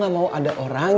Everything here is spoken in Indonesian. gue gak mau ada orang